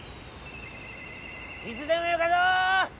いつでもよかぞ！